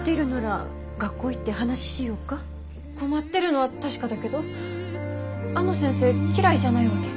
困ってるのは確かだけどあの先生嫌いじゃないわけ。